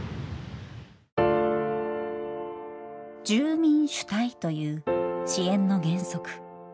住民主体という支援の原則。